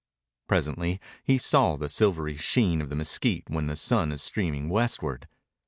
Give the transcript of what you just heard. Presently he saw the silvery sheen of the mesquite when the sun is streaming westward.